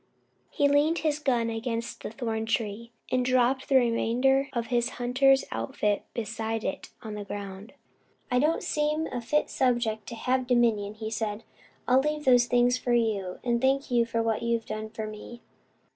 He leaned his gun against the thorn tree, and dropped the remainder of his hunter's outfit beside it on the ground. "I don't seem a fit subject to `have dominion,'" he said. "I'll leave those thing for you; and thank you for what you have done for me."